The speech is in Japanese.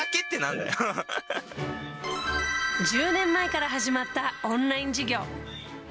１０年前から始まったオンライン授業。